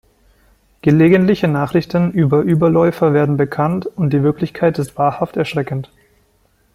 Gelegentliche Nachrichten über Überläufer werden bekannt und die Wirklichkeit ist wahrhaft erschreckend.